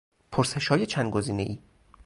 پرسشهای چند گزینهای